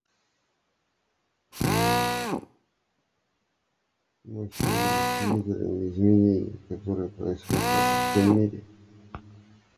Мы все были свидетелями изменений, которые происходят в арабском мире.